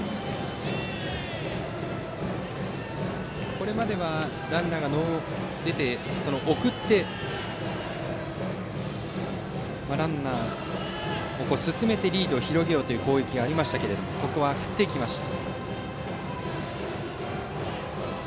これまではランナーを送ってリードを広げようという攻撃がありましたがここは振っていきました。